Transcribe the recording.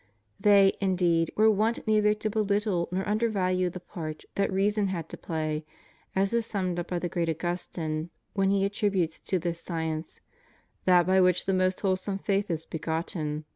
They, indeed, were wont neither to behttle nor under value the part that reason had to play, as is summed up by the great Augustine when he attributes to this science "that by which the most wholesome faith is begotten